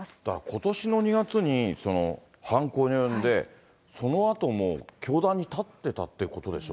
ことしの２月に犯行に及んで、そのあとも教壇に立ってたってことでしょ。